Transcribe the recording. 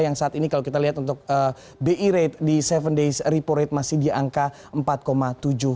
yang saat ini kalau kita lihat untuk bi rate di tujuh days repo rate masih di angka empat tujuh persen